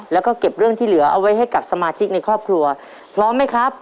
แล้วก็เก็บเรื่องที่เหลือเอาไว้ให้กับสมาชิกในครอบครัวพร้อมไหมครับ